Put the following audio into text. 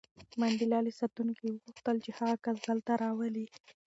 منډېلا له ساتونکي وغوښتل چې هغه کس دلته راولي.